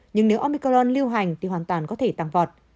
nhưng nếu omicaron lưu hành thì hoàn toàn có thể tăng vọt